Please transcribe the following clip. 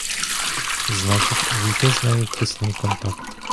Значить, увійти з нею в тісний контакт.